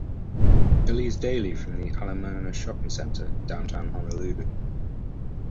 It leaves daily from the Ala Moana Shopping Center in Downtown Honolulu.